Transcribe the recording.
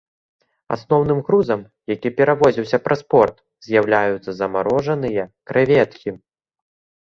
Асноўным грузам, які перавозіўся праз порт, з'яўляюцца замарожаныя крэветкі.